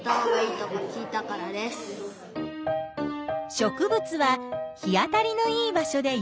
植物は日当たりのいい場所でよく育つ。